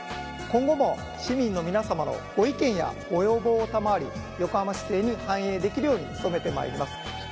今後も市民の皆様のご意見やご要望を賜り横浜市政に反映できるように努めてまいります。